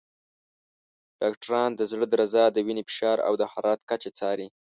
ډاکټران د زړه درزا، د وینې فشار، او د حرارت کچه څاري.